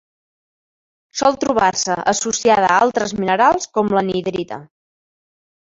Sol trobar-se associada a altres minerals com l'anhidrita.